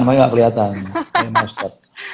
belum seperti itu